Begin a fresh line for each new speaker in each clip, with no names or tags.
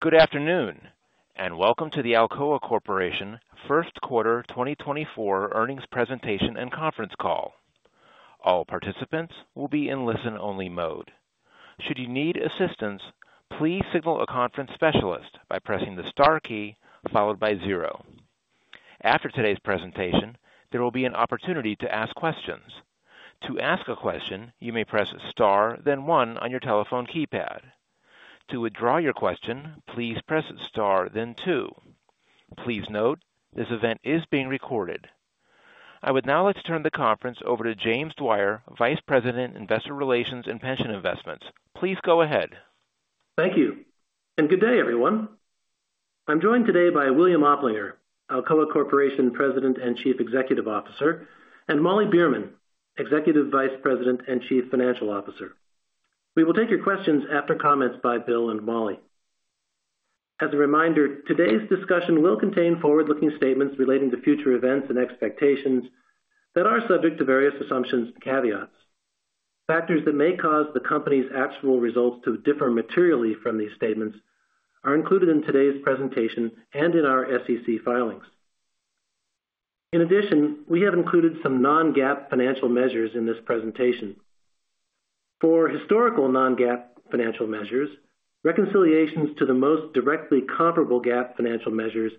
Good afternoon and welcome to the Alcoa Corporation first quarter 2024 earnings presentation and conference call. All participants will be in listen-only mode. Should you need assistance, please signal a conference specialist by pressing the star key followed by zero. After today's presentation, there will be an opportunity to ask questions. To ask a question, you may press star then one on your telephone keypad. To withdraw your question, please press star then two. Please note, this event is being recorded. I would now like to turn the conference over to James Dwyer, Vice President, Investor Relations and Pension Investments. Please go ahead.
Thank you. Good day, everyone. I'm joined today by William Oplinger, Alcoa Corporation President and Chief Executive Officer, and Molly Beerman, Executive Vice President and Chief Financial Officer. We will take your questions after comments by Bill and Molly. As a reminder, today's discussion will contain forward-looking statements relating to future events and expectations that are subject to various assumptions and caveats. Factors that may cause the company's actual results to differ materially from these statements are included in today's presentation and in our SEC filings. In addition, we have included some non-GAAP financial measures in this presentation. For historical non-GAAP financial measures, reconciliations to the most directly comparable GAAP financial measures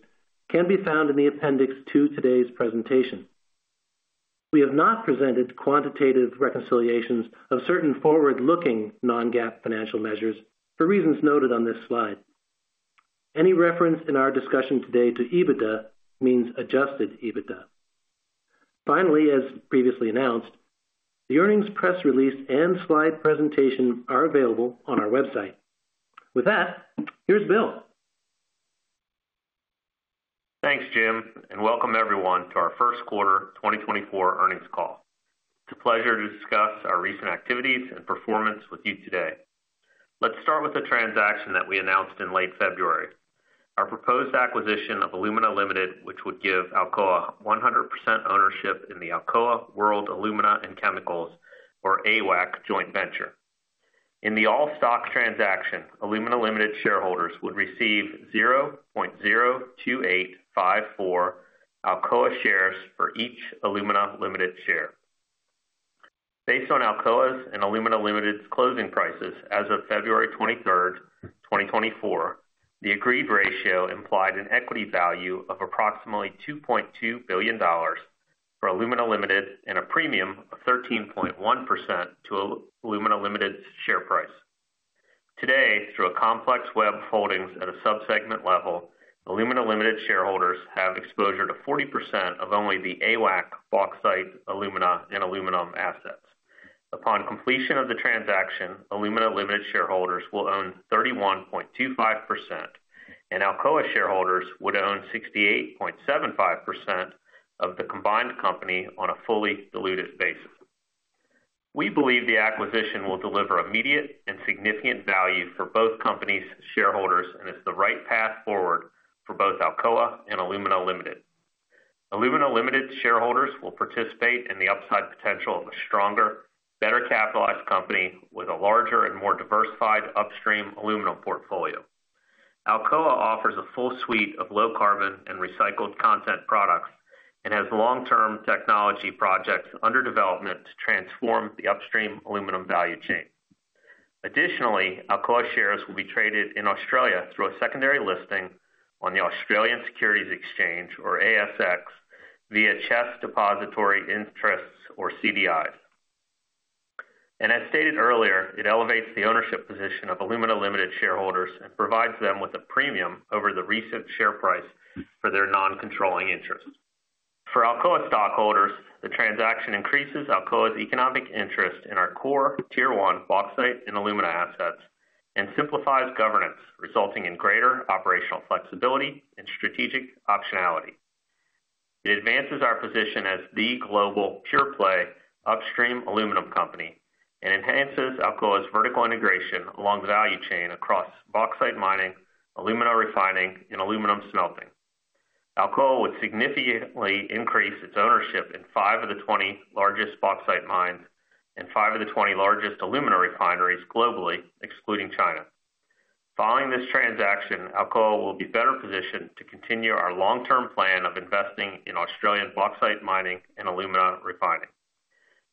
can be found in the appendix to today's presentation. We have not presented quantitative reconciliations of certain forward-looking non-GAAP financial measures for reasons noted on this slide. Any reference in our discussion today to EBITDA means adjusted EBITDA. Finally, as previously announced, the earnings press release and slide presentation are available on our website. With that, here's Bill.
Thanks, Jim, and welcome everyone to our first quarter 2024 earnings call. It's a pleasure to discuss our recent activities and performance with you today. Let's start with a transaction that we announced in late February: our proposed acquisition of Alumina Limited, which would give Alcoa 100% ownership in the Alcoa World Alumina and Chemicals, or AWAC, joint venture. In the all-stock transaction, Alumina Limited shareholders would receive 0.02854 Alcoa shares for each Alumina Limited share. Based on Alcoa's and Alumina Limited's closing prices as of February 23, 2024, the agreed ratio implied an equity value of approximately $2.2 billion for Alumina Limited and a premium of 13.1% to Alumina Limited's share price. Today, through a complex web of holdings at a subsegment level, Alumina Limited shareholders have exposure to 40% of only the AWAC, bauxite, alumina, and aluminum assets. Upon completion of the transaction, Alumina Limited shareholders will own 31.25%, and Alcoa shareholders would own 68.75% of the combined company on a fully diluted basis. We believe the acquisition will deliver immediate and significant value for both companies' shareholders and is the right path forward for both Alcoa and Alumina Limited. Alumina Limited shareholders will participate in the upside potential of a stronger, better-capitalized company with a larger and more diversified upstream aluminum portfolio. Alcoa offers a full suite of low-carbon and recycled content products and has long-term technology projects under development to transform the upstream aluminum value chain. Additionally, Alcoa shares will be traded in Australia through a secondary listing on the Australian Securities Exchange, or ASX, via Chess Depositary Interests, or CDIs. As stated earlier, it elevates the ownership position of Alumina Limited shareholders and provides them with a premium over the recent share price for their non-controlling interest. For Alcoa stockholders, the transaction increases Alcoa's economic interest in our core Tier 1 bauxite and Alumina assets and simplifies governance, resulting in greater operational flexibility and strategic optionality. It advances our position as the global pure-play upstream aluminum company and enhances Alcoa's vertical integration along the value chain across bauxite mining, alumina refining, and aluminum smelting. Alcoa would significantly increase its ownership in five of the 20 largest bauxite mines and five of the 20 largest alumina refineries globally, excluding China. Following this transaction, Alcoa will be better positioned to continue our long-term plan of investing in Australian bauxite mining and alumina refining.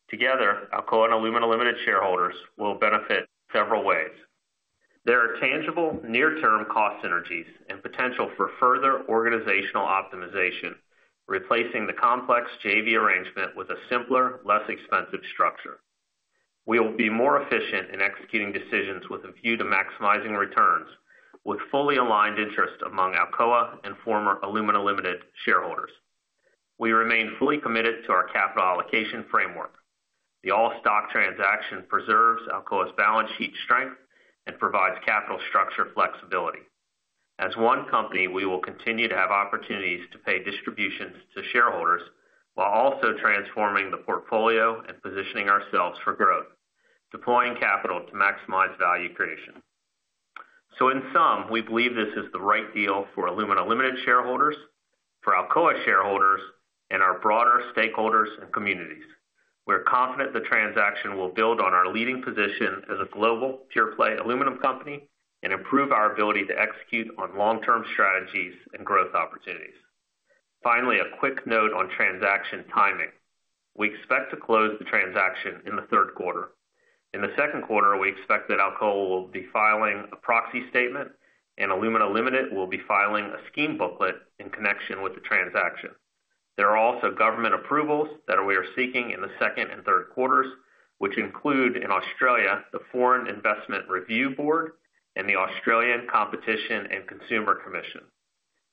Together, Alcoa and Alumina Limited shareholders will benefit several ways. There are tangible near-term cost synergies and potential for further organizational optimization, replacing the complex JV arrangement with a simpler, less expensive structure. We will be more efficient in executing decisions with a view to maximizing returns, with fully aligned interests among Alcoa and former Alumina Limited shareholders. We remain fully committed to our capital allocation framework. The all-stock transaction preserves Alcoa's balance sheet strength and provides capital structure flexibility. As one company, we will continue to have opportunities to pay distributions to shareholders while also transforming the portfolio and positioning ourselves for growth, deploying capital to maximize value creation. So in sum, we believe this is the right deal for Alumina Limited shareholders, for Alcoa shareholders, and our broader stakeholders and communities. We're confident the transaction will build on our leading position as a global pure-play aluminum company and improve our ability to execute on long-term strategies and growth opportunities. Finally, a quick note on transaction timing. We expect to close the transaction in the third quarter. In the second quarter, we expect that Alcoa will be filing a proxy statement and Alumina Limited will be filing a scheme booklet in connection with the transaction. There are also government approvals that we are seeking in the second and third quarters, which include in Australia the Foreign Investment Review Board and the Australian Competition and Consumer Commission,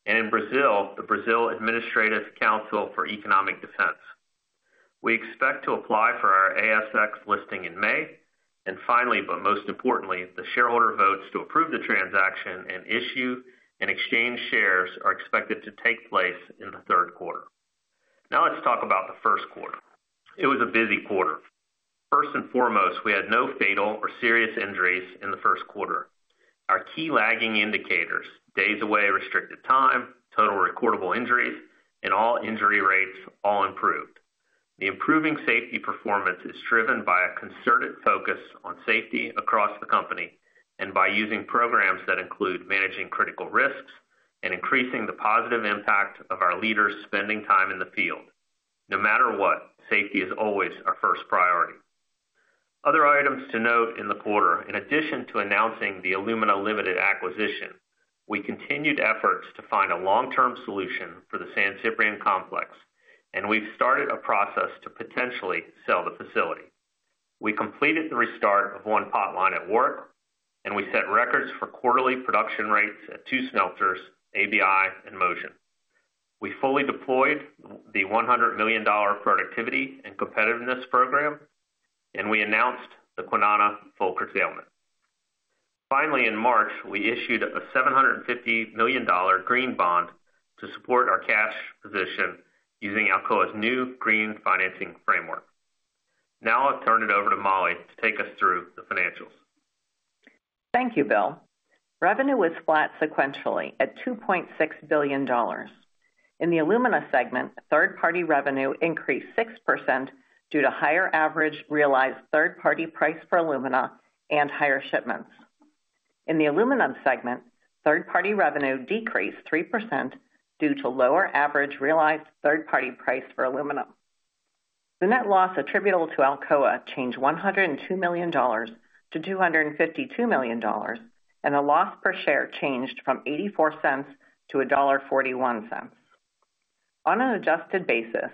and in Brazil, the Brazil Administrative Council for Economic Defense. We expect to apply for our ASX listing in May, and finally but most importantly, the shareholder votes to approve the transaction and issue and exchange shares are expected to take place in the third quarter. Now let's talk about the first quarter. It was a busy quarter. First and foremost, we had no fatal or serious injuries in the first quarter. Our key lagging indicators, days away restricted time, total recordable injuries, and all injury rates all improved. The improving safety performance is driven by a concerted focus on safety across the company and by using programs that include managing critical risks and increasing the positive impact of our leaders spending time in the field. No matter what, safety is always our first priority. Other items to note in the quarter: in addition to announcing the Alumina Limited acquisition, we continued efforts to find a long-term solution for the San Ciprián complex, and we've started a process to potentially sell the facility. We completed the restart of one pot line at Warrick, and we set records for quarterly production rates at two smelters, ABI and Mosjøen. We fully deployed the $100 million productivity and competitiveness program, and we announced the Kwinana full curtailment. Finally, in March, we issued a $750 million green bond to support our cash position using Alcoa's new Green Finance Framework. Now I'll turn it over to Molly to take us through the financials.
Thank you, Bill. Revenue was flat sequentially at $2.6 billion. In the alumina segment, third-party revenue increased 6% due to higher average realized third-party price for alumina and higher shipments. In the aluminum segment, third-party revenue decreased 3% due to lower average realized third-party price for alumina. The net loss attributable to Alcoa changed $102 million to $252 million, and the loss per share changed from $0.84 to $1.41. On an adjusted basis,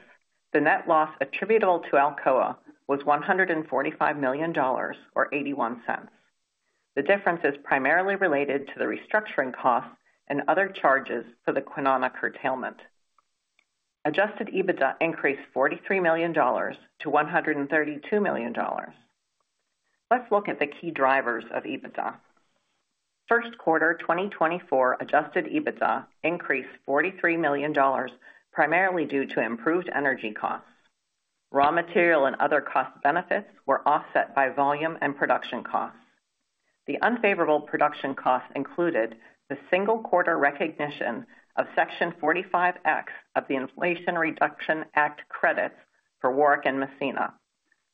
the net loss attributable to Alcoa was $145 million or $0.81. The difference is primarily related to the restructuring costs and other charges for the Kwinana curtailment. Adjusted EBITDA increased $43 million to $132 million. Let's look at the key drivers of EBITDA. First quarter 2024 adjusted EBITDA increased $43 million primarily due to improved energy costs. Raw material and other cost benefits were offset by volume and production costs. The unfavorable production costs included the single quarter recognition of Section 45X of the Inflation Reduction Act credits for Warrick and Massena,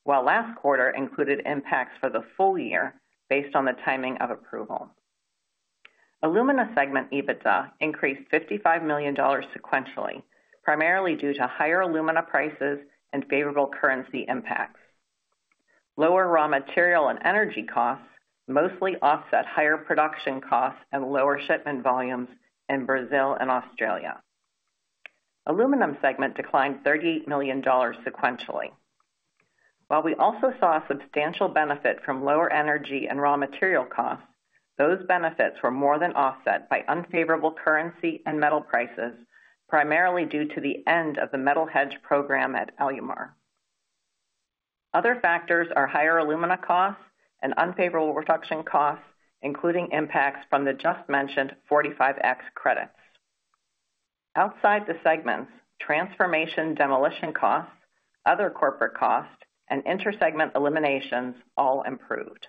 while last quarter included impacts for the full year based on the timing of approval. Alumina segment EBITDA increased $55 million sequentially, primarily due to higher alumina prices and favorable currency impacts. Lower raw material and energy costs mostly offset higher production costs and lower shipment volumes in Brazil and Australia. Aluminum segment declined $38 million sequentially. While we also saw a substantial benefit from lower energy and raw material costs, those benefits were more than offset by unfavorable currency and metal prices, primarily due to the end of the metal hedge program at Alumar. Other factors are higher alumina costs and unfavorable production costs, including impacts from the just-mentioned 45X credits. Outside the segments, transformation demolition costs, other corporate costs, and intersegment eliminations all improved.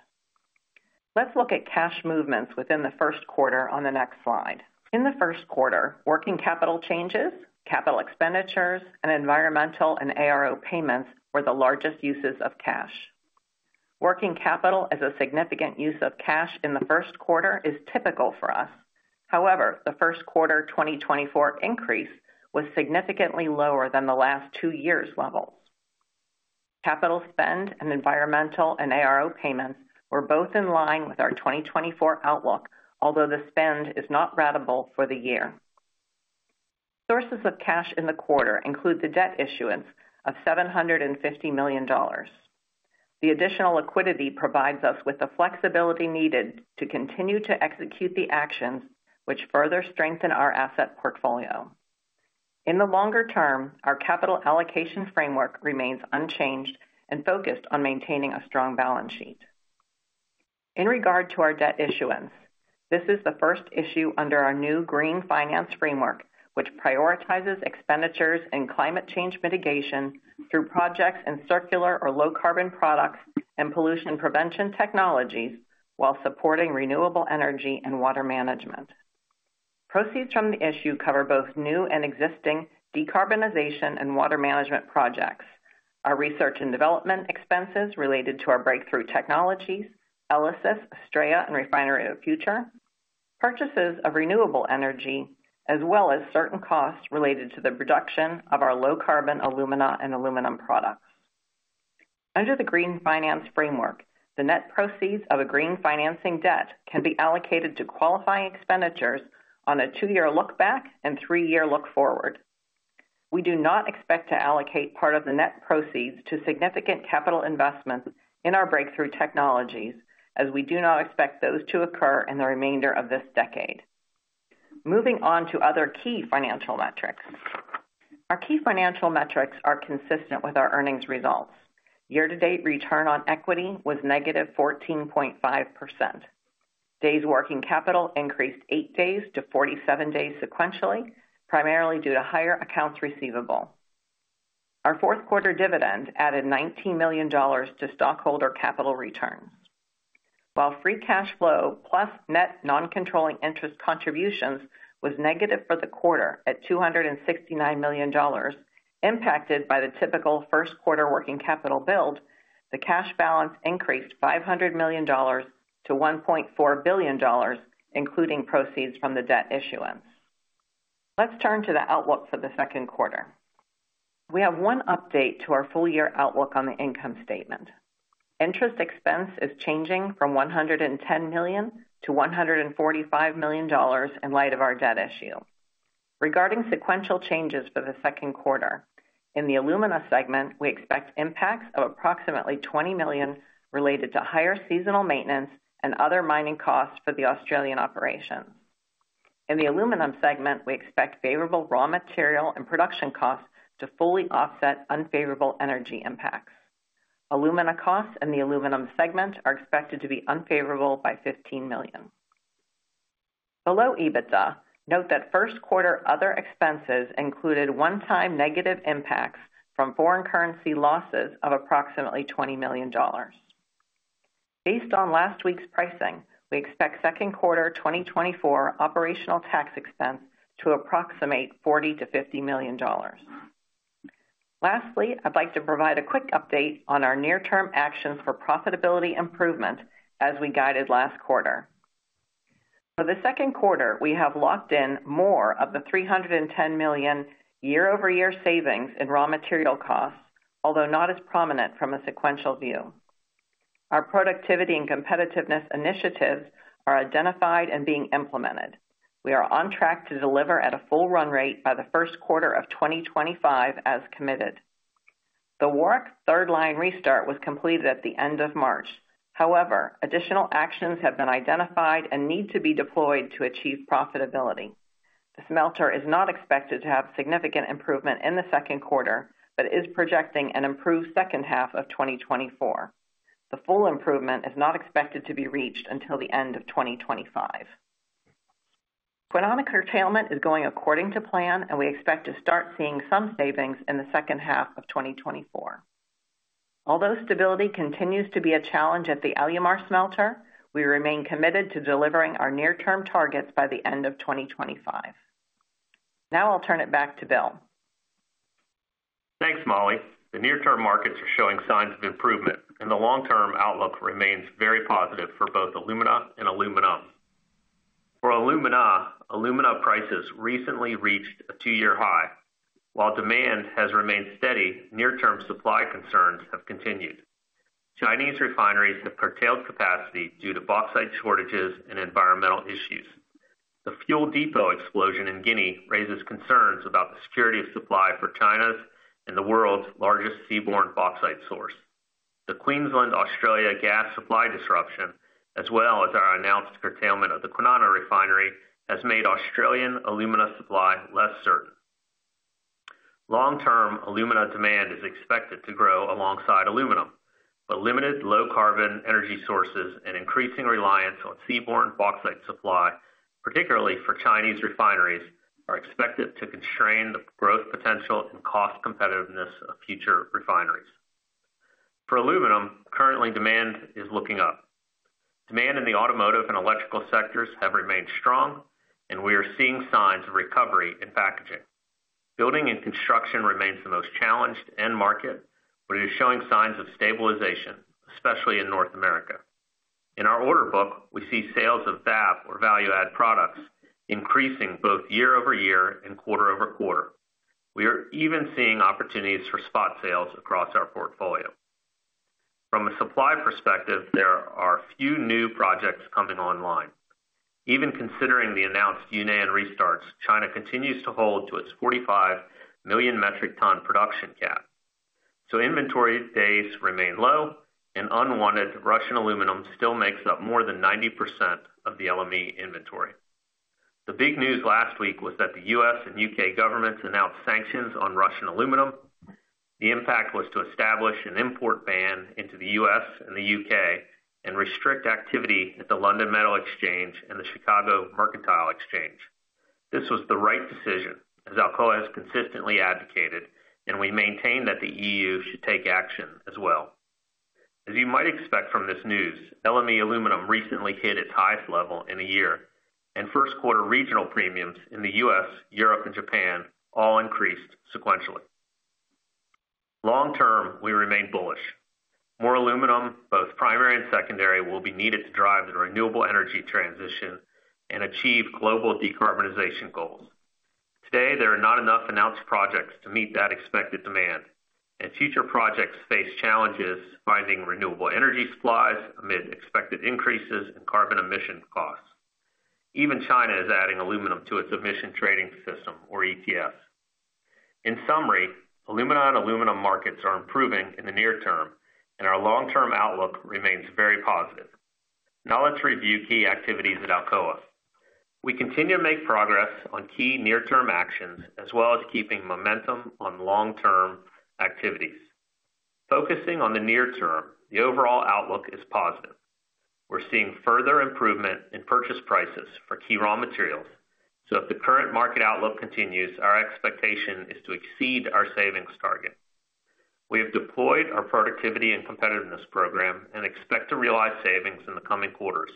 Let's look at cash movements within the first quarter on the next slide. In the first quarter, working capital changes, capital expenditures, and environmental and ARO payments were the largest uses of cash. Working capital as a significant use of cash in the first quarter is typical for us. However, the first quarter 2024 increase was significantly lower than the last two years' levels. Capital spend and environmental and ARO payments were both in line with our 2024 outlook, although the spend is not ratable for the year. Sources of cash in the quarter include the debt issuance of $750 million. The additional liquidity provides us with the flexibility needed to continue to execute the actions, which further strengthen our asset portfolio. In the longer term, our capital allocation framework remains unchanged and focused on maintaining a strong balance sheet. In regard to our debt issuance, this is the first issue under our new Green Finance Framework, which prioritizes expenditures and climate change mitigation through projects in circular or low-carbon products and pollution prevention technologies while supporting renewable energy and water management. Proceeds from the issue cover both new and existing decarbonization and water management projects, our research and development expenses related to our breakthrough technologies, ELYSIS, Astraea, and Refinery of the Future, purchases of renewable energy, as well as certain costs related to the production of our low-carbon alumina and aluminum products. Under the Green Finance Framework, the net proceeds of a green financing debt can be allocated to qualifying expenditures on a two-year look-back and three-year look-forward. We do not expect to allocate part of the net proceeds to significant capital investments in our breakthrough technologies, as we do not expect those to occur in the remainder of this decade. Moving on to other key financial metrics. Our key financial metrics are consistent with our earnings results. Year-to-date return on equity was -14.5%. Days working capital increased eight days to 47 days sequentially, primarily due to higher accounts receivable. Our fourth quarter dividend added $19 million to stockholder capital returns. While free cash flow plus net non-controlling interest contributions was negative for the quarter at -$269 million, impacted by the typical first quarter working capital build, the cash balance increased $500 million to $1.4 billion, including proceeds from the debt issuance. Let's turn to the outlook for the second quarter. We have one update to our full-year outlook on the income statement. Interest expense is changing from $110 million to $145 million in light of our debt issue. Regarding sequential changes for the second quarter, in the alumina segment, we expect impacts of approximately $20 million related to higher seasonal maintenance and other mining costs for the Australian operations. In the aluminum segment, we expect favorable raw material and production costs to fully offset unfavorable energy impacts. Alumina costs in the aluminum segment are expected to be unfavorable by $15 million. Below EBITDA, note that first quarter other expenses included one-time negative impacts from foreign currency losses of approximately $20 million. Based on last week's pricing, we expect second quarter 2024 operational tax expense to approximate $40-$50 million. Lastly, I'd like to provide a quick update on our near-term actions for profitability improvement as we guided last quarter. For the second quarter, we have locked in more of the $310 million year-over-year savings in raw material costs, although not as prominent from a sequential view. Our productivity and competitiveness initiatives are identified and being implemented. We are on track to deliver at a full run rate by the first quarter of 2025 as committed. The Warrick third-line restart was completed at the end of March. However, additional actions have been identified and need to be deployed to achieve profitability. The smelter is not expected to have significant improvement in the second quarter, but is projecting an improved second half of 2024. The full improvement is not expected to be reached until the end of 2025. Kwinana curtailment is going according to plan, and we expect to start seeing some savings in the second half of 2024. Although stability continues to be a challenge at the Alumar smelter, we remain committed to delivering our near-term targets by the end of 2025. Now I'll turn it back to Bill.
Thanks, Molly. The near-term markets are showing signs of improvement, and the long-term outlook remains very positive for both alumina and aluminium. For alumina, alumina prices recently reached a two-year high. While demand has remained steady, near-term supply concerns have continued. Chinese refineries have curtailed capacity due to bauxite shortages and environmental issues. The fuel depot explosion in Guinea raises concerns about the security of supply for China's and the world's largest seaborne bauxite source. The Queensland, Australia gas supply disruption, as well as our announced curtailment of the Kwinana refinery, has made Australian alumina supply less certain. Long-term, alumina demand is expected to grow alongside aluminum, but limited low-carbon energy sources and increasing reliance on seaborne bauxite supply, particularly for Chinese refineries, are expected to constrain the growth potential and cost competitiveness of future refineries. For aluminum, currently demand is looking up. Demand in the automotive and electrical sectors have remained strong, and we are seeing signs of recovery in packaging. Building and construction remains the most challenged end market, but it is showing signs of stabilization, especially in North America. In our order book, we see sales of VAP or value-add products increasing both year-over-year and quarter-over-quarter. We are even seeing opportunities for spot sales across our portfolio. From a supply perspective, there are few new projects coming online. Even considering the announced Yunnan restarts, China continues to hold to its 45 million metric ton production cap. So inventory days remain low, and unwanted Russian aluminum still makes up more than 90% of the LME inventory. The big news last week was that the U.S. and U.K. governments announced sanctions on Russian aluminum. The impact was to establish an import ban into the U.S. and the U.K. and restrict activity at the London Metal Exchange and the Chicago Mercantile Exchange. This was the right decision, as Alcoa has consistently advocated, and we maintain that the EU should take action as well. As you might expect from this news, LME aluminum recently hit its highest level in a year, and first quarter regional premiums in the U.S., Europe, and Japan all increased sequentially. Long-term, we remain bullish. More aluminum, both primary and secondary, will be needed to drive the renewable energy transition and achieve global decarbonization goals. Today, there are not enough announced projects to meet that expected demand, and future projects face challenges finding renewable energy supplies amid expected increases in carbon emission costs. Even China is adding aluminum to its emission trading system, or ETS. In summary, alumina and aluminum markets are improving in the near term, and our long-term outlook remains very positive. Now let's review key activities at Alcoa. We continue to make progress on key near-term actions as well as keeping momentum on long-term activities. Focusing on the near term, the overall outlook is positive. We're seeing further improvement in purchase prices for key raw materials, so if the current market outlook continues, our expectation is to exceed our savings target. We have deployed our productivity and competitiveness program and expect to realize savings in the coming quarters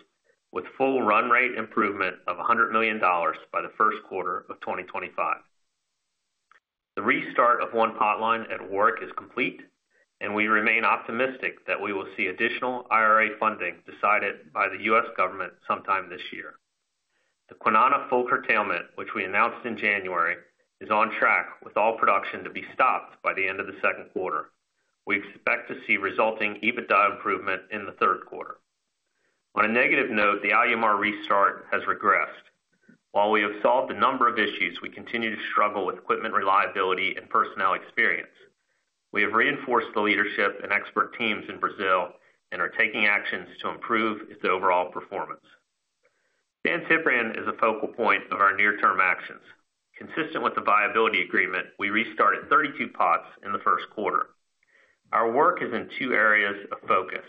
with full run rate improvement of $100 million by the first quarter of 2025. The restart of One Potline at Warrick is complete, and we remain optimistic that we will see additional IRA funding decided by the US government sometime this year. The Kwinana full curtailment, which we announced in January, is on track with all production to be stopped by the end of the second quarter. We expect to see resulting EBITDA improvement in the third quarter. On a negative note, the Alumar restart has regressed. While we have solved a number of issues, we continue to struggle with equipment reliability and personnel experience. We have reinforced the leadership and expert teams in Brazil and are taking actions to improve the overall performance. San Ciprián is a focal point of our near-term actions. Consistent with the viability agreement, we restarted 32 pots in the first quarter. Our work is in two areas of focus: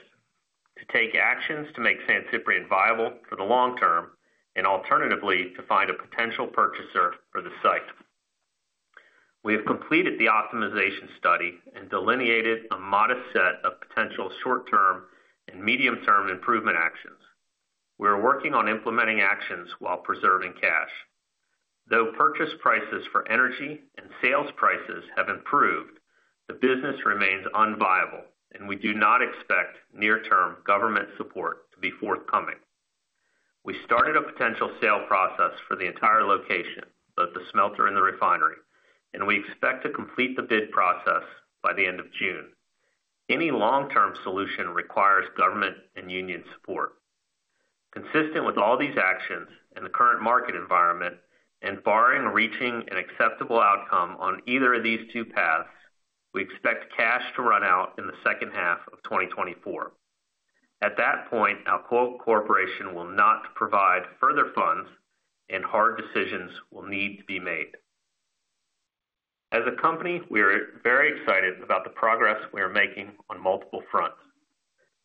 to take actions to make San Ciprián viable for the long term and alternatively to find a potential purchaser for the site. We have completed the optimization study and delineated a modest set of potential short-term and medium-term improvement actions. We are working on implementing actions while preserving cash. Though purchase prices for energy and sales prices have improved, the business remains unviable, and we do not expect near-term government support to be forthcoming. We started a potential sale process for the entire location, both the smelter and the refinery, and we expect to complete the bid process by the end of June. Any long-term solution requires government and union support. Consistent with all these actions and the current market environment, and barring reaching an acceptable outcome on either of these two paths, we expect cash to run out in the second half of 2024. At that point, Alcoa Corporation will not provide further funds, and hard decisions will need to be made. As a company, we are very excited about the progress we are making on multiple fronts.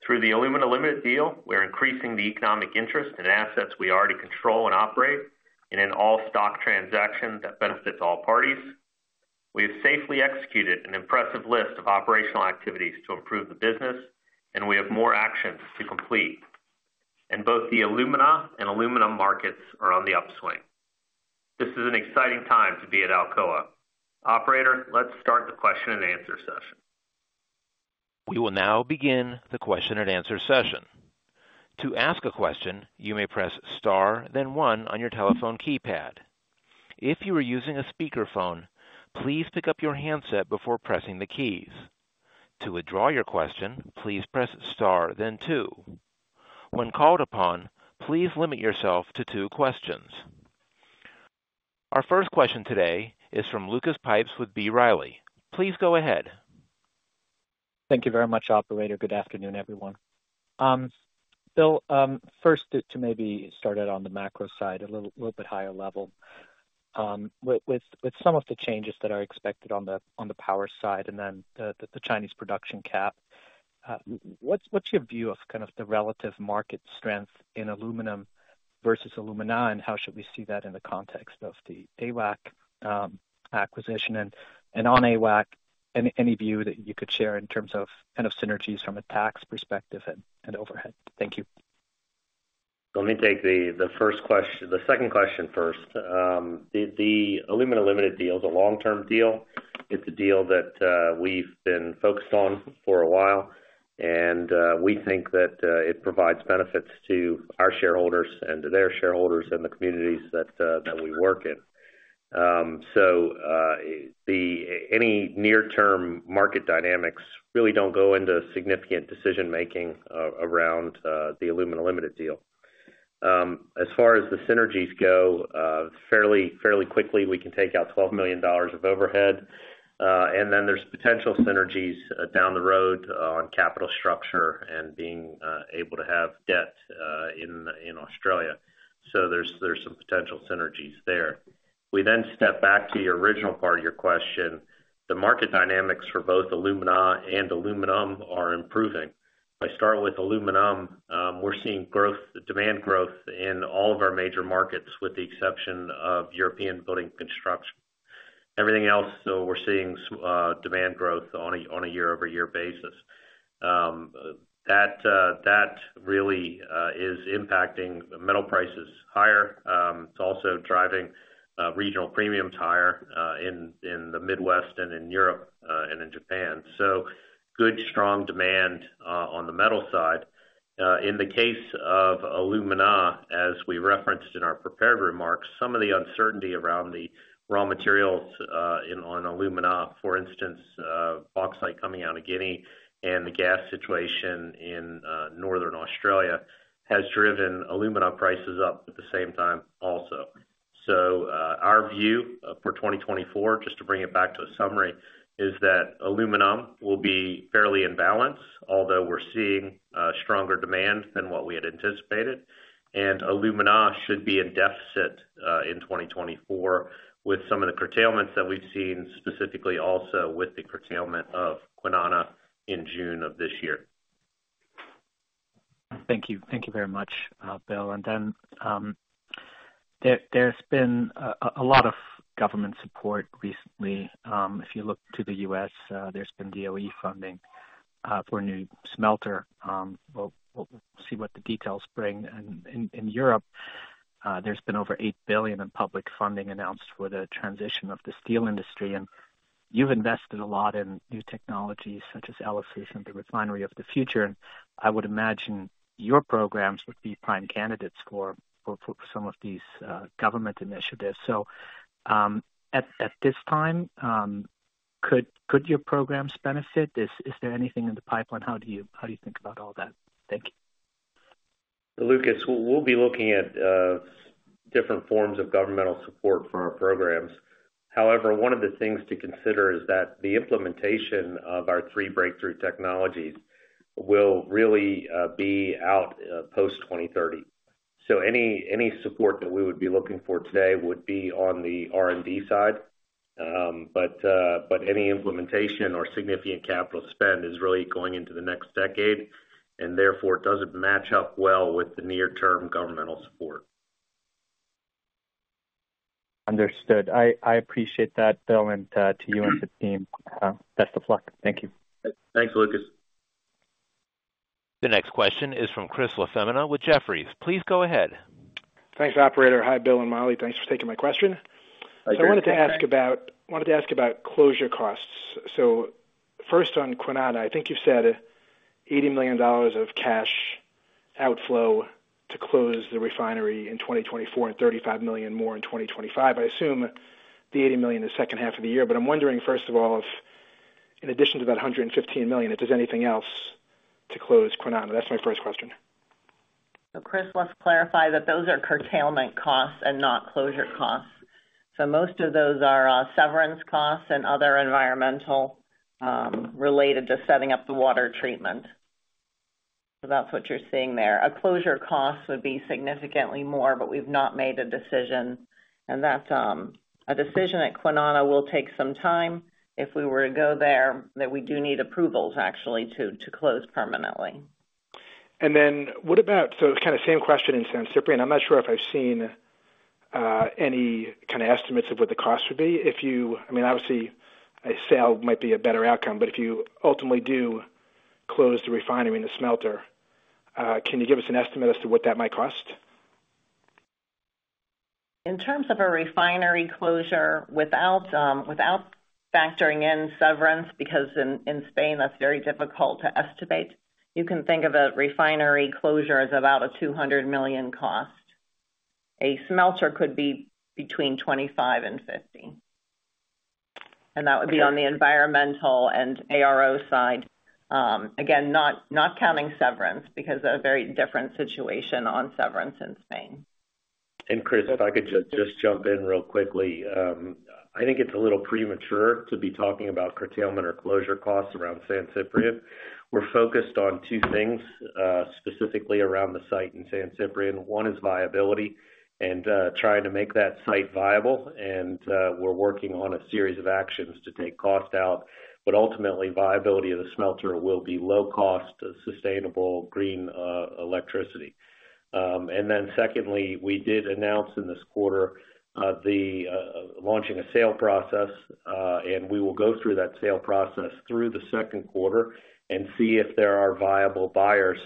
Through the Alumina Limited deal, we are increasing the economic interest in assets we already control and operate in an all-stock transaction that benefits all parties. We have safely executed an impressive list of operational activities to improve the business, and we have more actions to complete. Both the alumina and aluminum markets are on the upswing. This is an exciting time to be at Alcoa. Operator, let's start the question and answer session.
We will now begin the question and answer session. To ask a question, you may press star, then one, on your telephone keypad. If you are using a speakerphone, please pick up your handset before pressing the keys. To withdraw your question, please press star, then two. When called upon, please limit yourself to two questions. Our first question today is from Lucas Pipes with B. Riley. Please go ahead.
Thank you very much, Operator. Good afternoon, everyone. Bill, first to maybe start out on the macro side, a little bit higher level, with some of the changes that are expected on the power side and then the Chinese production cap, what's your view of kind of the relative market strength in aluminum versus alumina, and how should we see that in the context of the AWAC acquisition? And on AWAC, any view that you could share in terms of kind of synergies from a tax perspective and overhead? Thank you.
Let me take the second question first. The Alumina Limited deal is a long-term deal. It's a deal that we've been focused on for a while, and we think that it provides benefits to our shareholders and to their shareholders and the communities that we work in. So any near-term market dynamics really don't go into significant decision-making around the Alumina Limited deal. As far as the synergies go, fairly quickly, we can take out $12 million of overhead, and then there's potential synergies down the road on capital structure and being able to have debt in Australia. So there's some potential synergies there. We then step back to the original part of your question. The market dynamics for both alumina and aluminum are improving. If I start with aluminum, we're seeing demand growth in all of our major markets with the exception of European building construction. Everything else, though, we're seeing demand growth on a year-over-year basis. That really is impacting metal prices higher. It's also driving regional premiums higher in the Midwest and in Europe and in Japan. So good, strong demand on the metal side. In the case of alumina, as we referenced in our prepared remarks, some of the uncertainty around the raw materials on alumina, for instance, bauxite coming out of Guinea and the gas situation in northern Australia, has driven alumina prices up at the same time also. So our view for 2024, just to bring it back to a summary, is that aluminum will be fairly in balance, although we're seeing stronger demand than what we had anticipated, and alumina should be in deficit in 2024 with some of the curtailments that we've seen specifically also with the curtailment of Kwinana in June of this year.
Thank you very much, Bill. And then there's been a lot of government support recently. If you look to the U.S., there's been DOE funding for a new smelter. We'll see what the details bring. And in Europe, there's been over $8 billion in public funding announced for the transition of the steel industry. And you've invested a lot in new technologies such as ELYSIS and the Refinery of the Future. And I would imagine your programs would be prime candidates for some of these government initiatives. So at this time, could your programs benefit? Is there anything in the pipeline? How do you think about all that? Thank you.
Lucas, we'll be looking at different forms of governmental support for our programs. However, one of the things to consider is that the implementation of our three breakthrough technologies will really be out post-2030. So any support that we would be looking for today would be on the R&D side, but any implementation or significant capital spend is really going into the next decade and therefore doesn't match up well with the near-term governmental support.
Understood. I appreciate that, Bill, and to you and the team. Best of luck. Thank you.
Thanks, Lucas.
The next question is from Chris LaFemina with Jefferies. Please go ahead.
Thanks, Operator. Hi, Bill and Molly. Thanks for taking my question. I wanted to ask about closure costs. So first on Kwinana, I think you've said $80 million of cash outflow to close the refinery in 2024 and $35 million more in 2025. I assume the $80 million is second half of the year, but I'm wondering, first of all, if in addition to that $115 million, if there's anything else to close Kwinana. That's my first question.
So Chris wants to clarify that those are curtailment costs and not closure costs. So most of those are severance costs and other environmental related to setting up the water treatment. So that's what you're seeing there. A closure cost would be significantly more, but we've not made a decision. And a decision at Kwinana will take some time. If we were to go there, that we do need approvals, actually, to close permanently.
Then what about so kind of same question in San Ciprián. I'm not sure if I've seen any kind of estimates of what the cost would be. I mean, obviously, a sale might be a better outcome, but if you ultimately do close the refinery and the smelter, can you give us an estimate as to what that might cost?
In terms of a refinery closure without factoring in severance, because in Spain, that's very difficult to estimate, you can think of a refinery closure as about a $200 million cost. A smelter could be between $25-$50. That would be on the environmental and ARO side. Again, not counting severance because of a very different situation on severance in Spain.
Chris, if I could just jump in real quickly. I think it's a little premature to be talking about curtailment or closure costs around San Ciprián. We're focused on two things specifically around the site in San Ciprián. One is viability and trying to make that site viable. And we're working on a series of actions to take cost out, but ultimately, viability of the smelter will be low-cost, sustainable, green electricity. And then secondly, we did announce in this quarter launching a sale process, and we will go through that sale process through the second quarter and see if there are viable buyers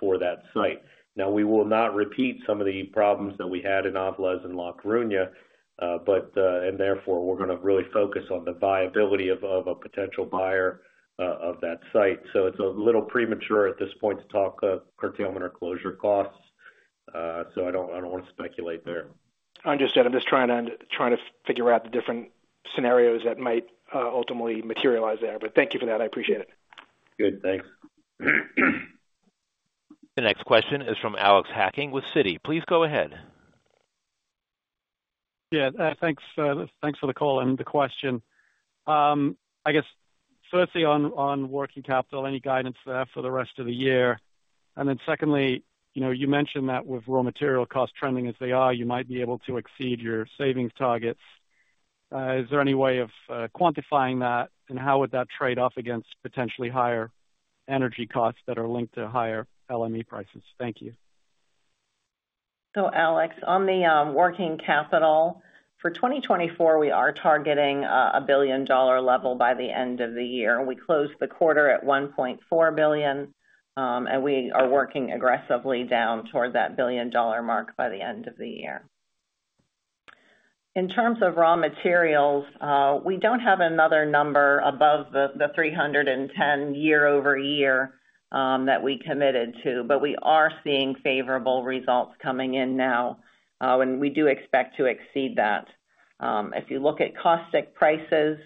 for that site. Now, we will not repeat some of the problems that we had in Avilés and La Coruña, and therefore, we're going to really focus on the viability of a potential buyer of that site. It's a little premature at this point to talk curtailment or closure costs. I don't want to speculate there.
Understood. I'm just trying to figure out the different scenarios that might ultimately materialize there. But thank you for that. I appreciate it.
Good. Thanks.
The next question is from Alex Hacking with Citi. Please go ahead.
Yeah. Thanks for the call and the question. I guess, firstly, on working capital, any guidance there for the rest of the year? And then secondly, you mentioned that with raw material costs trending as they are, you might be able to exceed your savings targets. Is there any way of quantifying that, and how would that trade off against potentially higher energy costs that are linked to higher LME prices? Thank you.
So Alex, on the working capital, for 2024, we are targeting a billion-dollar level by the end of the year. We closed the quarter at $1.4 billion, and we are working aggressively down toward that billion-dollar mark by the end of the year. In terms of raw materials, we don't have another number above the $310 year-over-year that we committed to, but we are seeing favorable results coming in now, and we do expect to exceed that. If you look at caustic prices,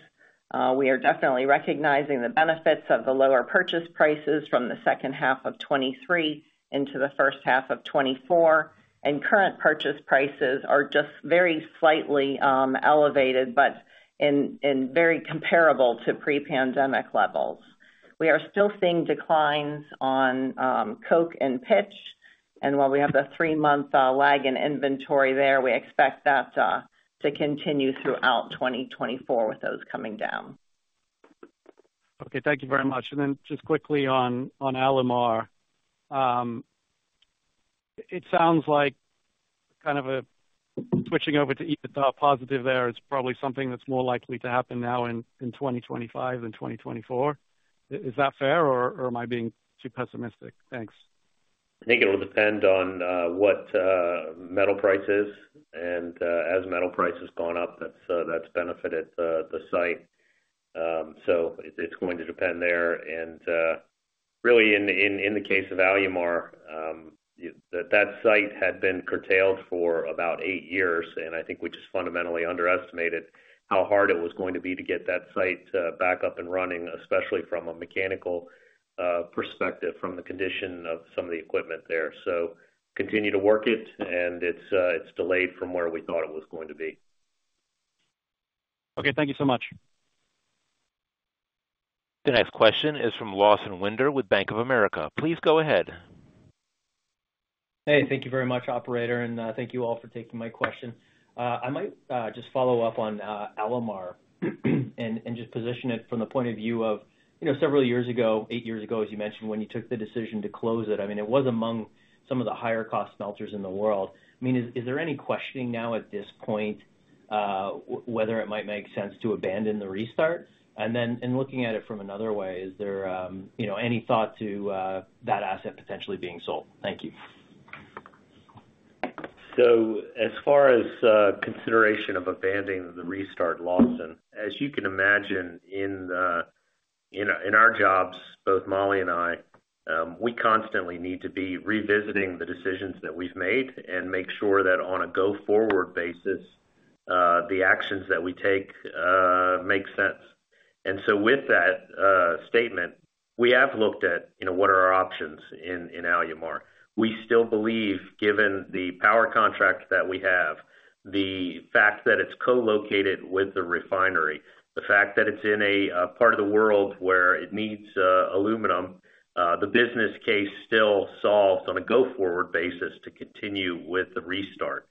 we are definitely recognizing the benefits of the lower purchase prices from the second half of 2023 into the first half of 2024. And current purchase prices are just very slightly elevated but very comparable to pre-pandemic levels. We are still seeing declines on coke and pitch, and while we have a three-month lag in inventory there, we expect that to continue throughout 2024 with those coming down.
Okay. Thank you very much. And then just quickly on Alumar, it sounds like kind of switching over to even though a positive there is probably something that's more likely to happen now in 2025 than 2024. Is that fair, or am I being too pessimistic? Thanks.
I think it'll depend on what metal price is. And as metal price has gone up, that's benefited the site. So it's going to depend there. And really, in the case of Alumar, that site had been curtailed for about eight years, and I think we just fundamentally underestimated how hard it was going to be to get that site back up and running, especially from a mechanical perspective, from the condition of some of the equipment there. So continue to work it, and it's delayed from where we thought it was going to be.
Okay. Thank you so much.
The next question is from Lawson Winder with Bank of America. Please go ahead.
Hey. Thank you very much, Operator, and thank you all for taking my question. I might just follow up on Alumar and just position it from the point of view of several years ago, eight years ago, as you mentioned, when you took the decision to close it. I mean, it was among some of the higher-cost smelters in the world. I mean, is there any questioning now at this point whether it might make sense to abandon the restart? And then looking at it from another way, is there any thought to that asset potentially being sold? Thank you.
So as far as consideration of abandoning the restart, Lawson, as you can imagine, in our jobs, both Molly and I, we constantly need to be revisiting the decisions that we've made and make sure that on a go-forward basis, the actions that we take make sense. And so with that statement, we have looked at what are our options in Alumar. We still believe, given the power contract that we have, the fact that it's co-located with the refinery, the fact that it's in a part of the world where it needs aluminum, the business case still solves on a go-forward basis to continue with the restart.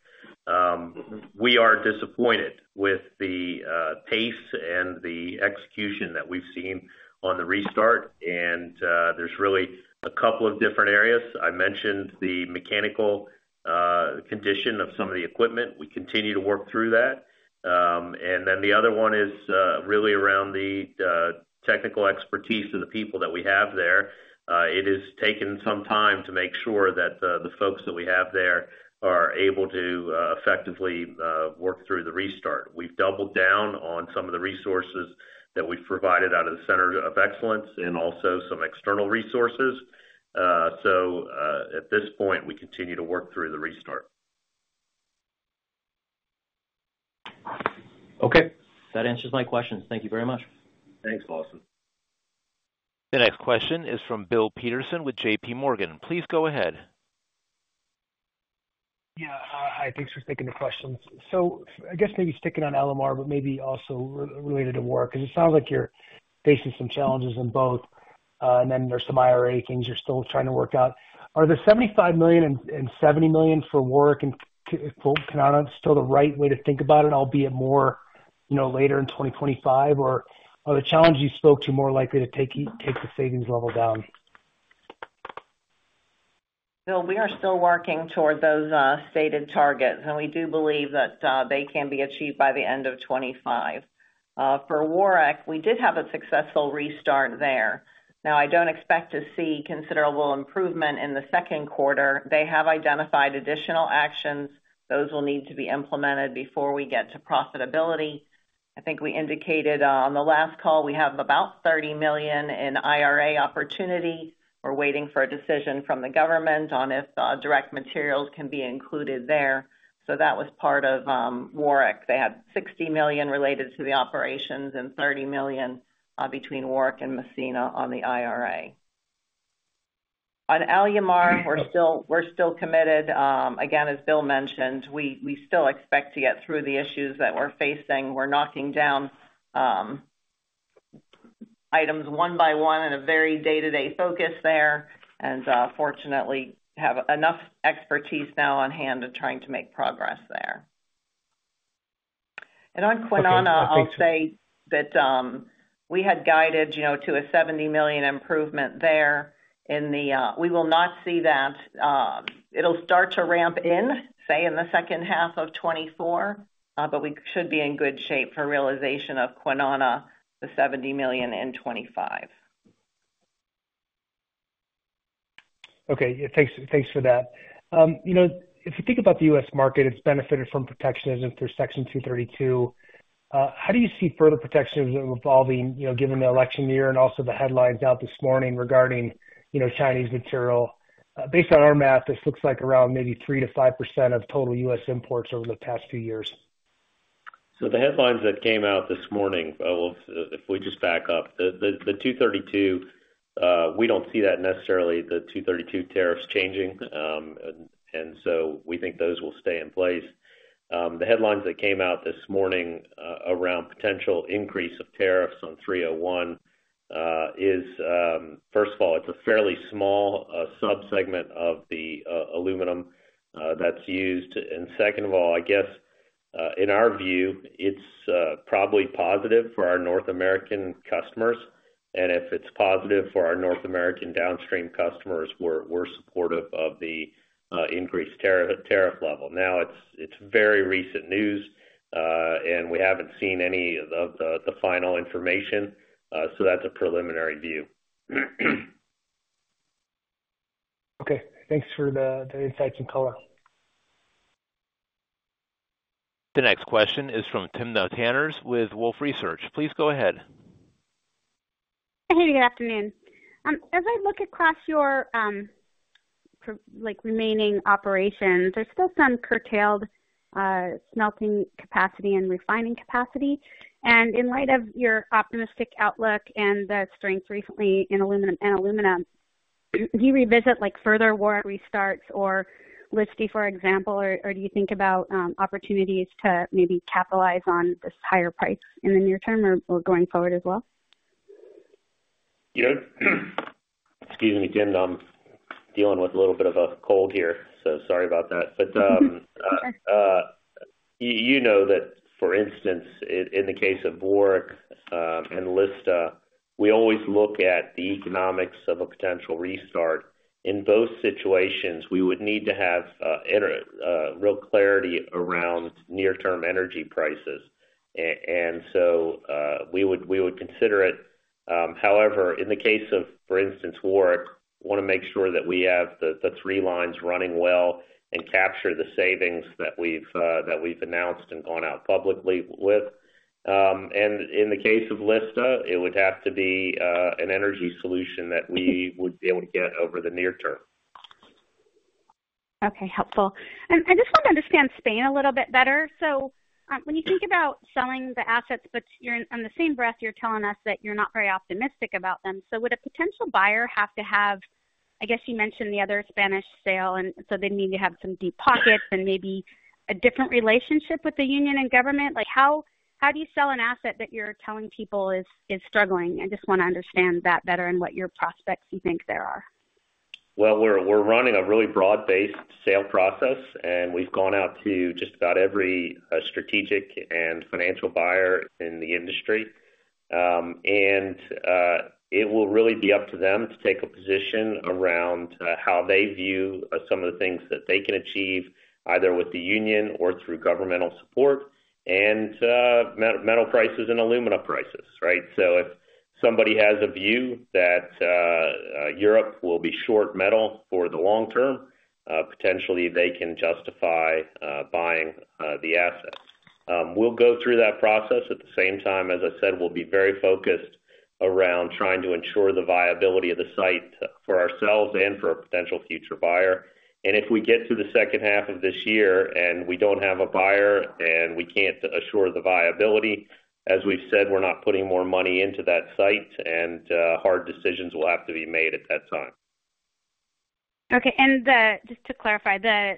We are disappointed with the pace and the execution that we've seen on the restart. And there's really a couple of different areas. I mentioned the mechanical condition of some of the equipment. We continue to work through that. And then the other one is really around the technical expertise of the people that we have there. It has taken some time to make sure that the folks that we have there are able to effectively work through the restart. We've doubled down on some of the resources that we've provided out of the Center of Excellence and also some external resources. So at this point, we continue to work through the restart.
Okay. That answers my questions. Thank you very much.
Thanks, Lawson.
The next question is from Bill Peterson with J.P. Morgan. Please go ahead.
Yeah. Thanks for sticking the questions. So I guess maybe sticking on Alumar, but maybe also related to Warrick because it sounds like you're facing some challenges in both, and then there's some IRA things you're still trying to work out. Are the $75 million and $70 million for Warrick in Kwinana still the right way to think about it, albeit more later in 2025? Or are the challenges you spoke to more likely to take the savings level down?
Bill, we are still working toward those stated targets, and we do believe that they can be achieved by the end of 2025. For Warrick, we did have a successful restart there. Now, I don't expect to see considerable improvement in the second quarter. They have identified additional actions. Those will need to be implemented before we get to profitability. I think we indicated on the last call we have about $30 million in IRA opportunity. We're waiting for a decision from the government on if direct materials can be included there. So that was part of Warrick. They had $60 million related to the operations and $30 million between Warrick and Massena on the IRA. On Alumar, we're still committed. Again, as Bill mentioned, we still expect to get through the issues that we're facing. We're knocking down items one by one in a very day-to-day focus there and fortunately have enough expertise now on hand in trying to make progress there. And on Kwinana, I'll say that we had guided to a $70 million improvement there in 2024; we will not see that. It'll start to ramp in, say, in the second half of 2024, but we should be in good shape for realization of Kwinana, the $70 million in 2025.
Okay. Thanks for that. If you think about the U.S. market, it's benefited from protectionism through Section 232. How do you see further protectionism evolving given the election year and also the headlines out this morning regarding Chinese material? Based on our math, this looks like around maybe 3%-5% of total U.S. imports over the past few years.
So the headlines that came out this morning, if we just back up, the 232, we don't see that necessarily, the 232 tariffs changing, and so we think those will stay in place. The headlines that came out this morning around potential increase of tariffs on 301 is, first of all, it's a fairly small subsegment of the aluminum that's used. And second of all, I guess, in our view, it's probably positive for our North American customers. And if it's positive for our North American downstream customers, we're supportive of the increased tariff level. Now, it's very recent news, and we haven't seen any of the final information, so that's a preliminary view.
Okay. Thanks for the insights and color.
The next question is from Timna Tanners with Wolfe Research. Please go ahead.
Hey. Good afternoon. As I look across your remaining operations, there's still some curtailed smelting capacity and refining capacity. In light of your optimistic outlook and the strength recently in aluminum, do you revisit further Warrick restarts or Lista, for example, or do you think about opportunities to maybe capitalize on this higher price in the near term or going forward as well?
Yeah. Excuse me, Tim. I'm dealing with a little bit of a cold here, so sorry about that. But you know that, for instance, in the case of Warrick and Lista, we always look at the economics of a potential restart. In both situations, we would need to have real clarity around near-term energy prices, and so we would consider it. However, in the case of, for instance, Warrick, want to make sure that we have the three lines running well and capture the savings that we've announced and gone out publicly with. In the case of Lista, it would have to be an energy solution that we would be able to get over the near term.
Okay. Helpful. And I just want to understand Spain a little bit better. So when you think about selling the assets, but in the same breath, you're telling us that you're not very optimistic about them. So would a potential buyer have to have, I guess you mentioned the other Spanish sale, and so they'd need to have some deep pockets and maybe a different relationship with the union and government. How do you sell an asset that you're telling people is struggling? I just want to understand that better and what your prospects you think there are?
Well, we're running a really broad-based sale process, and we've gone out to just about every strategic and financial buyer in the industry. And it will really be up to them to take a position around how they view some of the things that they can achieve either with the union or through governmental support and metal prices and aluminum prices, right? So if somebody has a view that Europe will be short metal for the long term, potentially, they can justify buying the asset. We'll go through that process. At the same time, as I said, we'll be very focused around trying to ensure the viability of the site for ourselves and for a potential future buyer. If we get to the second half of this year and we don't have a buyer and we can't assure the viability, as we've said, we're not putting more money into that site, and hard decisions will have to be made at that time.
Okay. Just to clarify, the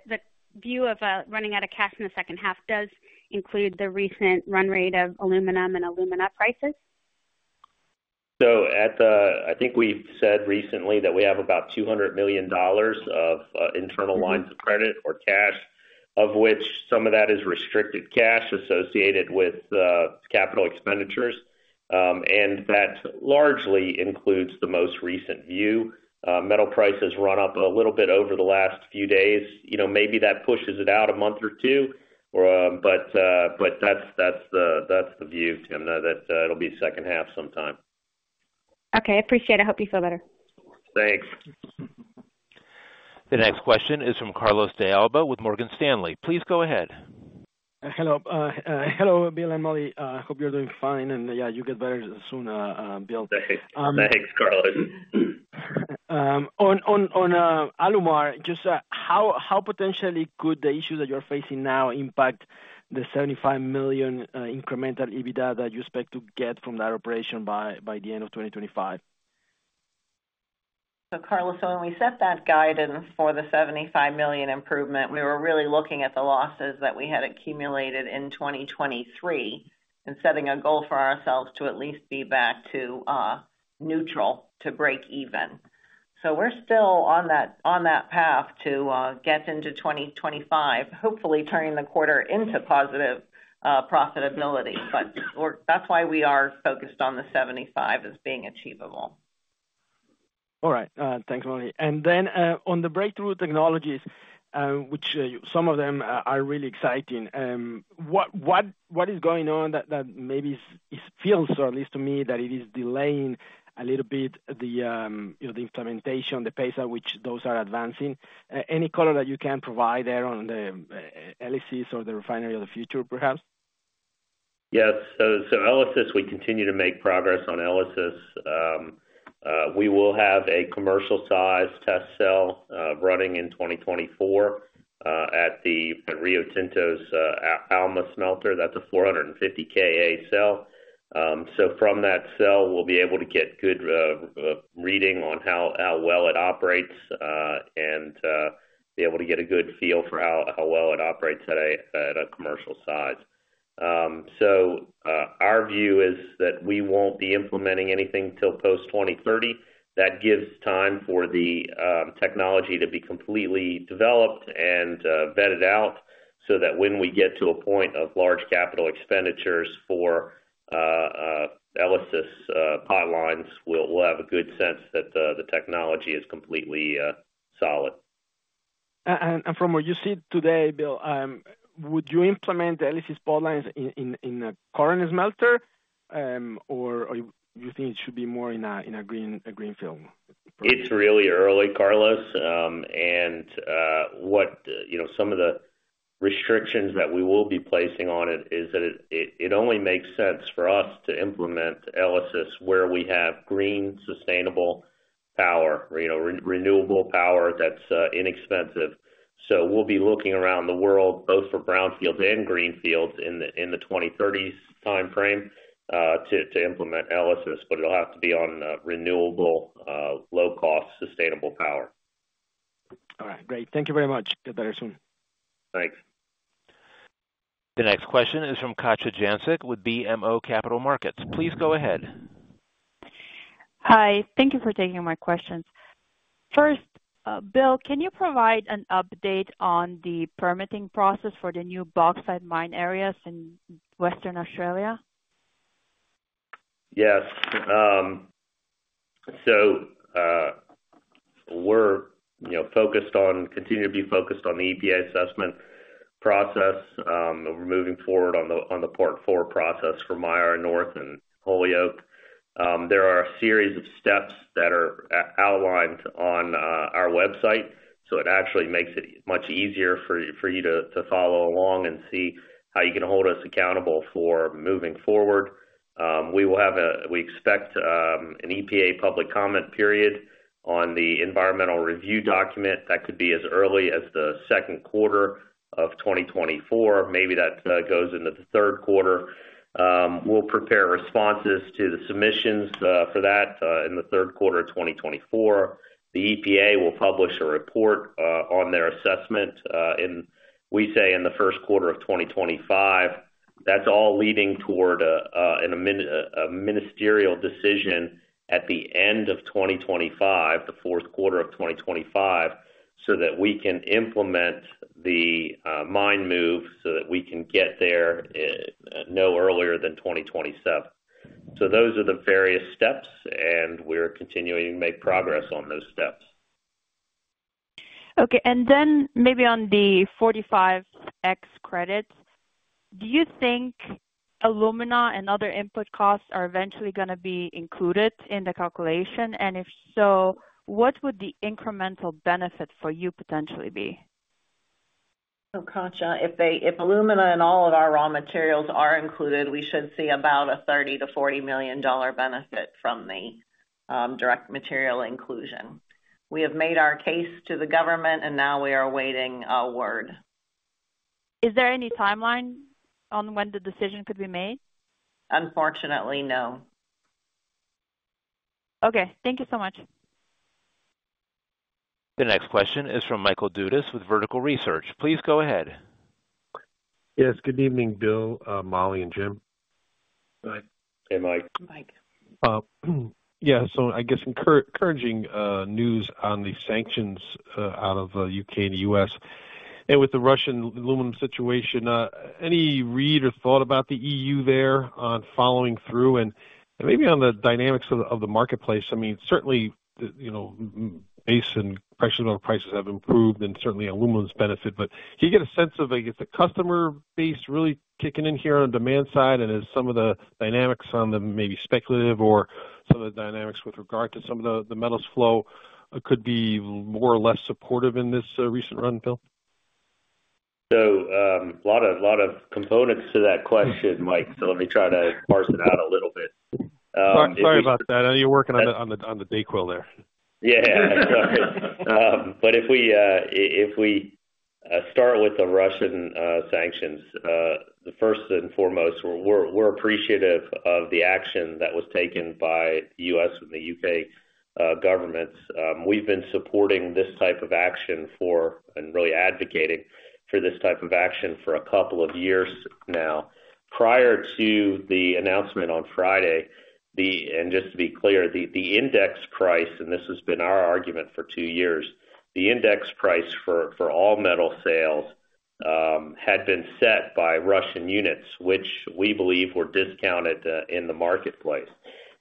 view of running out of cash in the second half does include the recent run rate of aluminum and aluminum prices?
So I think we've said recently that we have about $200 million of internal lines of credit or cash, of which some of that is restricted cash associated with capital expenditures. That largely includes the most recent view. Metal prices run up a little bit over the last few days. Maybe that pushes it out a month or two, but that's the view, Tim, that it'll be second half sometime.
Okay. Appreciate it. I hope you feel better.
Thanks.
The next question is from Carlos De Alba with Morgan Stanley. Please go ahead.
Hello. Hello, Bill and Molly. I hope you're doing fine. Yeah, you get better soon, Bill.
Thanks. Thanks, Carlos.
On Alumar, just how potentially could the issues that you're facing now impact the $75 million incremental EBITDA that you expect to get from that operation by the end of 2025?
So, Carlos, so when we set that guidance for the $75 million improvement, we were really looking at the losses that we had accumulated in 2023 and setting a goal for ourselves to at least be back to neutral, to break even. So we're still on that path to get into 2025, hopefully turning the quarter into positive profitability. But that's why we are focused on the $75 million as being achievable.
All right. Thanks, Molly. Then on the breakthrough technologies, which some of them are really exciting, what is going on that maybe feels, or at least to me, that it is delaying a little bit the implementation, the pace at which those are advancing? Any color that you can provide there on the ELYSIS or the Refinery of the Future, perhaps?
Yes. So ELYSIS, we continue to make progress on ELYSIS. We will have a commercial-sized test cell running in 2024 at Rio Tinto's Alma smelter. That's a 450 KA cell. So from that cell, we'll be able to get good reading on how well it operates and be able to get a good feel for how well it operates at a commercial size. So our view is that we won't be implementing anything till post-2030. That gives time for the technology to be completely developed and vetted out so that when we get to a point of large capital expenditures for ELYSIS pipelines, we'll have a good sense that the technology is completely solid.
From what you see today, Bill, would you implement the ELYSIS pipelines in a current smelter, or do you think it should be more in a greenfield?
It's really early, Carlos. And some of the restrictions that we will be placing on it is that it only makes sense for us to implement ELYSIS where we have green, sustainable power, renewable power that's inexpensive. So we'll be looking around the world, both for brownfields and greenfields, in the 2030s timeframe to implement ELYSIS, but it'll have to be on renewable, low-cost, sustainable power.
All right. Great. Thank you very much. Get better soon.
Thanks.
The next question is from Katja Jancic with BMO Capital Markets. Please go ahead.
Hi. Thank you for taking my questions. First, Bill, can you provide an update on the permitting process for the new bauxite mine areas in Western Australia?
Yes. So we're focused on continuing to be focused on the EPA assessment process. We're moving forward on the Part IV process for Myara North and Holyoake. There are a series of steps that are outlined on our website, so it actually makes it much easier for you to follow along and see how you can hold us accountable for moving forward. We expect an EPA public comment period on the environmental review document. That could be as early as the second quarter of 2024. Maybe that goes into the third quarter. We'll prepare responses to the submissions for that in the third quarter of 2024. The EPA will publish a report on their assessment, we say, in the first quarter of 2025. That's all leading toward a ministerial decision at the end of 2025, the fourth quarter of 2025, so that we can implement the mine move so that we can get there no earlier than 2027. So those are the various steps, and we're continuing to make progress on those steps.
Okay. And then maybe on the 45X credits, do you think alumina and other input costs are eventually going to be included in the calculation? And if so, what would the incremental benefit for you potentially be?
Oh, Katja, if alumina and all of our raw materials are included, we should see about a $30 million-$40 million benefit from the direct material inclusion. We have made our case to the government, and now we are awaiting a word.
Is there any timeline on when the decision could be made?
Unfortunately, no.
Okay. Thank you so much.
The next question is from Michael Dudas with Vertical Research. Please go ahead.
Yes. Good evening, Bill, Molly, and Jim. Hi.
Hey, Mike.
Mike.
Yeah. So I guess encouraging news on the sanctions out of the U.K. and the U.S. And with the Russian aluminum situation, any read or thought about the EU there on following through and maybe on the dynamics of the marketplace? I mean, certainly, base and premium level prices have improved, and certainly, aluminum's benefit. But can you get a sense of, I guess, the customer base really kicking in here on the demand side? And is some of the dynamics on the maybe speculative or some of the dynamics with regard to some of the metals flow could be more or less supportive in this recent run, Bill?
So a lot of components to that question, Mike. So let me try to parse it out a little bit.
Sorry about that. You're working on the DayQuil there.
Yeah. Sorry. But if we start with the Russian sanctions, the first and foremost, we're appreciative of the action that was taken by the U.S. and the U.K. governments. We've been supporting this type of action for and really advocating for this type of action for a couple of years now. Prior to the announcement on Friday and just to be clear, the index price and this has been our argument for two years. The index price for all metal sales had been set by Russian units, which we believe were discounted in the marketplace.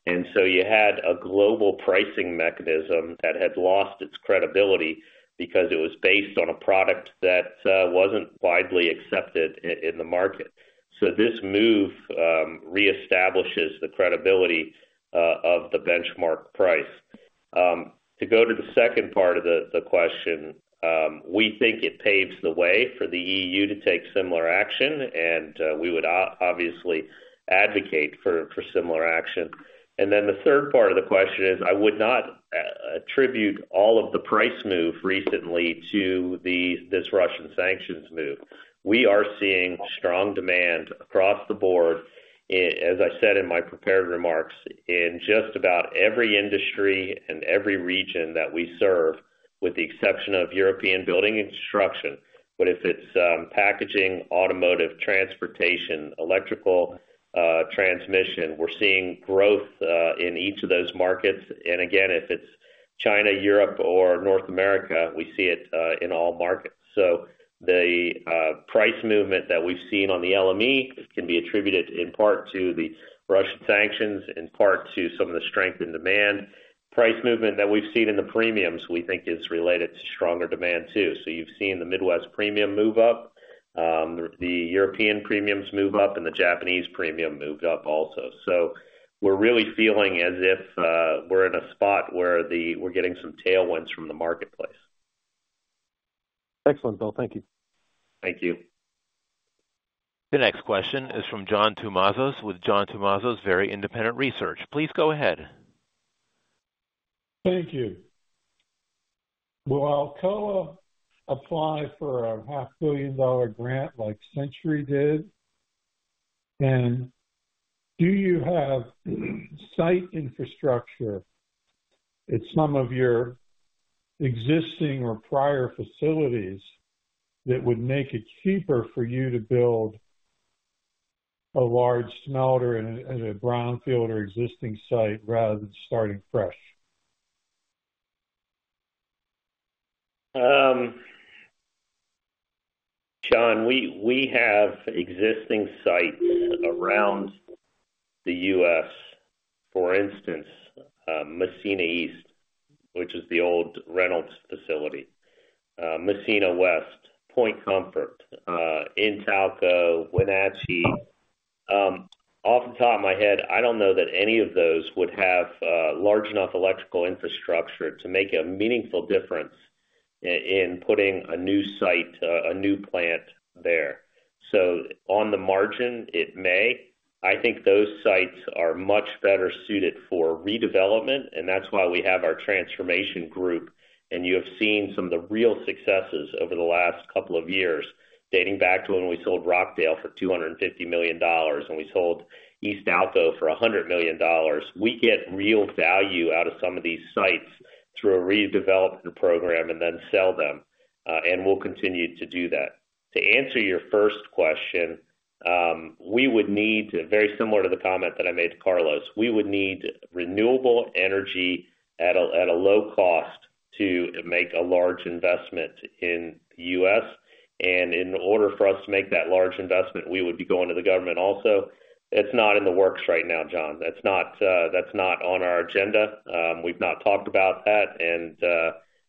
And so you had a global pricing mechanism that had lost its credibility because it was based on a product that wasn't widely accepted in the market. So this move reestablishes the credibility of the benchmark price. To go to the second part of the question, we think it paves the way for the EU to take similar action, and we would obviously advocate for similar action. And then the third part of the question is I would not attribute all of the price move recently to this Russian sanctions move. We are seeing strong demand across the board, as I said in my prepared remarks, in just about every industry and every region that we serve, with the exception of European building and construction. But if it's packaging, automotive, transportation, electrical transmission, we're seeing growth in each of those markets. And again, if it's China, Europe, or North America, we see it in all markets. So the price movement that we've seen on the LME can be attributed in part to the Russian sanctions, in part to some of the strength in demand. Price movement that we've seen in the premiums, we think, is related to stronger demand too. So you've seen the Midwest premium move up, the European premiums move up, and the Japanese premium moved up also. So we're really feeling as if we're in a spot where we're getting some tailwinds from the marketplace.
Excellent, Bill. Thank you.
Thank you.
The next question is from John Tumazos with John Tumazos Very Independent Research. Please go ahead.
Thank you. Will Alcoa apply for a $500 million grant like Century did? Do you have site infrastructure at some of your existing or prior facilities that would make it cheaper for you to build a large smelter at a brownfield or existing site rather than starting fresh?
John, we have existing sites around the U.S. For instance, Massena East, which is the old Reynolds facility, Massena West, Point Comfort, Intalco, Wenatchee. Off the top of my head, I don't know that any of those would have large enough electrical infrastructure to make a meaningful difference in putting a new site, a new plant there. So on the margin, it may. I think those sites are much better suited for redevelopment, and that's why we have our transformation group. You have seen some of the real successes over the last couple of years, dating back to when we sold Rockdale for $250 million and we sold Eastalco for $100 million. We get real value out of some of these sites through a redevelopment program and then sell them, and we'll continue to do that. To answer your first question, we would need very similar to the comment that I made to Carlos. We would need renewable energy at a low cost to make a large investment in the U.S. In order for us to make that large investment, we would be going to the government also. It's not in the works right now, John. That's not on our agenda. We've not talked about that, and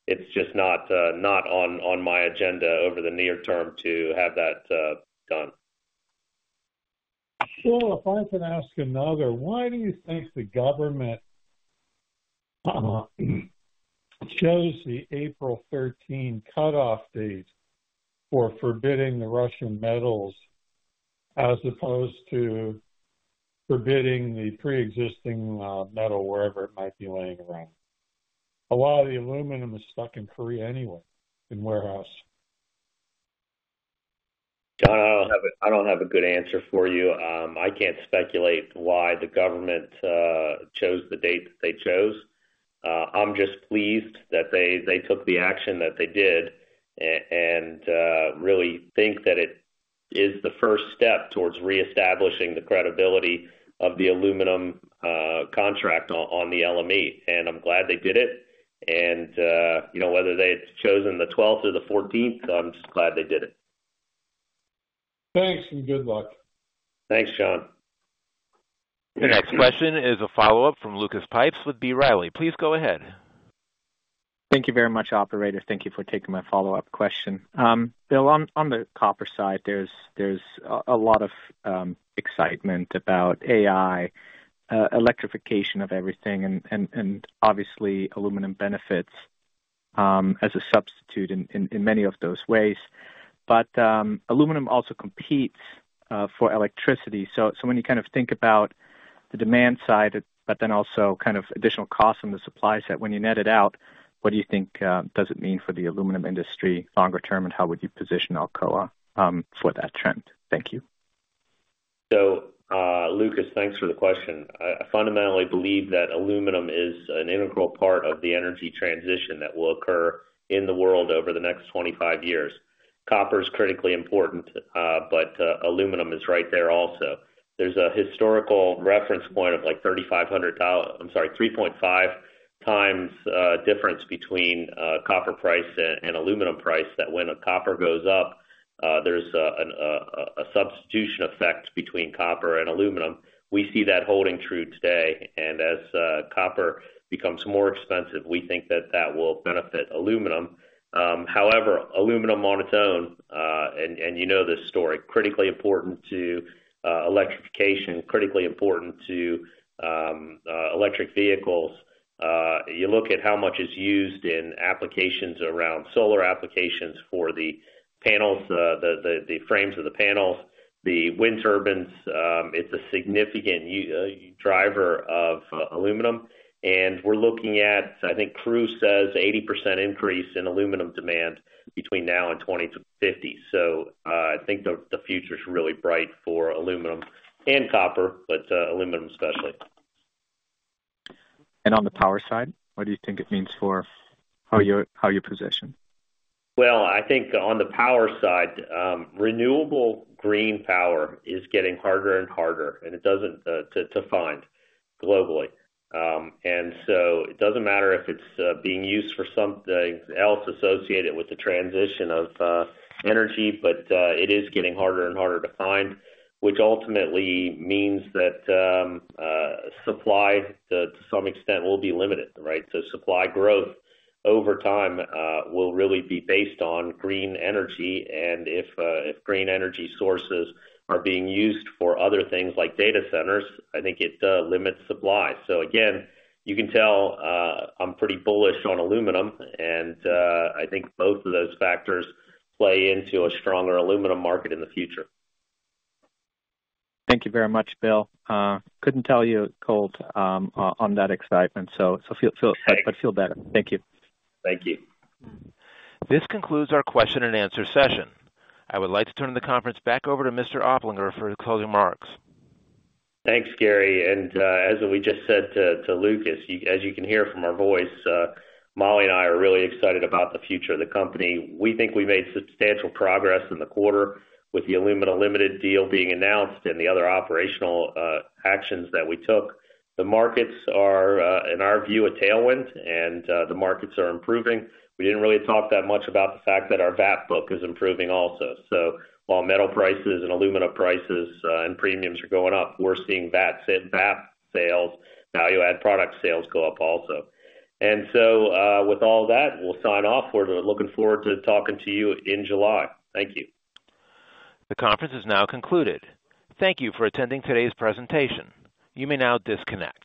it's just not on my agenda over the near term to have that done.
Well, if I can ask another, why do you think the government chose the April 13 cutoff date for forbidding the Russian metals as opposed to forbidding the preexisting metal wherever it might be laying around? A lot of the aluminum is stuck in Korea anyway in warehouse.
John, I don't have a good answer for you. I can't speculate why the government chose the date that they chose. I'm just pleased that they took the action that they did and really think that it is the first step towards reestablishing the credibility of the aluminum contract on the LME. I'm glad they did it. Whether they've chosen the 12th or the 14th, I'm just glad they did it.
Thanks and good luck.
Thanks, John.
The next question is a follow-up from Lucas Pipes with B. Riley. Please go ahead.
Thank you very much, operator. Thank you for taking my follow-up question. Bill, on the copper side, there's a lot of excitement about AI, electrification of everything, and obviously, aluminum benefits as a substitute in many of those ways. But aluminum also competes for electricity. So when you kind of think about the demand side, but then also kind of additional costs on the supply set, when you net it out, what do you think does it mean for the aluminum industry longer term, and how would you position Alcoa for that trend? Thank you.
So Lucas, thanks for the question. I fundamentally believe that aluminum is an integral part of the energy transition that will occur in the world over the next 25 years. Copper is critically important, but aluminum is right there also. There's a historical reference point of like 3,500. I'm sorry, 3.5 times difference between copper price and aluminum price that when copper goes up, there's a substitution effect between copper and aluminum. We see that holding true today. And as copper becomes more expensive, we think that that will benefit aluminum. However, aluminum on its own and you know this story, critically important to electrification, critically important to electric vehicles. You look at how much is used in applications around solar applications for the panels, the frames of the panels, the wind turbines. It's a significant driver of aluminum. We're looking at, I think, CRU says 80% increase in aluminum demand between now and 2050. I think the future's really bright for aluminum and copper, but aluminum especially.
On the power side, what do you think it means for how you position?
Well, I think on the power side, renewable green power is getting harder and harder, and it's hard to find globally. And so it doesn't matter if it's being used for something else associated with the transition of energy, but it is getting harder and harder to find, which ultimately means that supply, to some extent, will be limited, right? So supply growth over time will really be based on green energy. And if green energy sources are being used for other things like data centers, I think it limits supply. So again, you can tell I'm pretty bullish on aluminum, and I think both of those factors play into a stronger aluminum market in the future.
Thank you very much, Bill. Couldn't tell you about that excitement, but feel better. Thank you.
Thank you.
This concludes our question and answer session. I would like to turn the conference back over to Mr. Oplinger for closing remarks.
Thanks, Gary. And as we just said to Lucas, as you can hear from our voice, Molly and I are really excited about the future of the company. We think we made substantial progress in the quarter with the Alumina Limited deal being announced and the other operational actions that we took. The markets are, in our view, a tailwind, and the markets are improving. We didn't really talk that much about the fact that our VAP book is improving also. So while metal prices and alumina prices and premiums are going up, we're seeing VAP sales, value-added product sales go up also. And so with all that, we'll sign off. We're looking forward to talking to you in July. Thank you.
The conference is now concluded. Thank you for attending today's presentation. You may now disconnect.